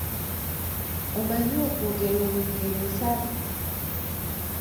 Omanyi okwogera Olungereza?